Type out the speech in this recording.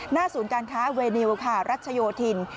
ศูนย์การค้าเวนิวค่ะรัชโยธิน